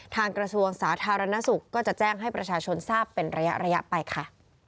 ทางกระทรวงศาสตราณสุขก็จะแจ้งให้ระยะระยะไปค่ะ